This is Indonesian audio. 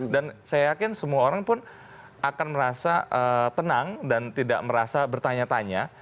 dan saya yakin semua orang pun akan merasa tenang dan tidak merasa bertanya tanya